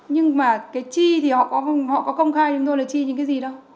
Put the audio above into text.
nhưng mà cái chi thì họ có công khai cho tôi là chi những cái gì đâu